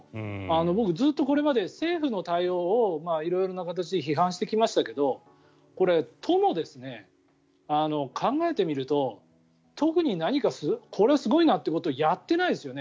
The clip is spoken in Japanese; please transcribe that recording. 僕はずっとこれまで政府の対応を色々な形で批判してきましたけどこれ、都も、考えてみると特に何かこれはすごいなということをやっていないですよね。